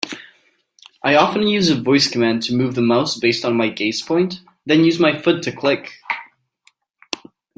I often use a voice command to move the mouse based on my gaze point, then use my foot to click.